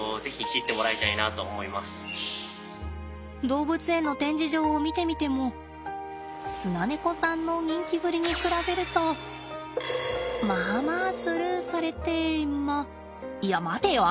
動物園の展示場を見てみてもスナネコさんの人気ぶりに比べるとまあまあスルーされていまいや待てよ！？